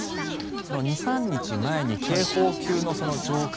その２３日前に警報級の状況